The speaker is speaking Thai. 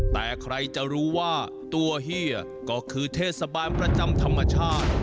แต่ใครจะรู้ว่าตัวเฮียก็คือเทศบาลประจำธรรมชาติ